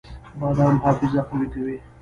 بادام حافظه قوي کوي